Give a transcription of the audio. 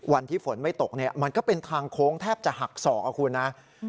วันที่ฝนไม่ตกเนี่ยมันก็เป็นทางโค้งแทบจะหักศอกอะคุณนะ